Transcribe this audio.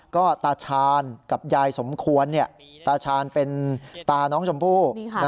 ก็ตาชาญกับยายสมควรตาชาญเป็นตาน้องชมพู่